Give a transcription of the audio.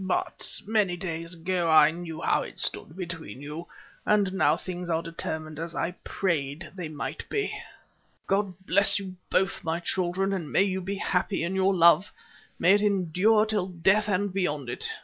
But many days ago I knew how it stood between you, and now things are determined as I prayed they might be. God bless you both, my children; may you be happy in your love; may it endure till death and beyond it.